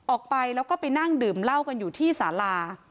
ออกไปแล้วก็ไปนั่งดื่มเหล้ากันอยู่ที่สารา